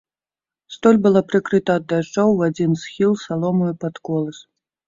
Столь была прыкрыта ад дажджоў у адзін схіл саломаю пад колас.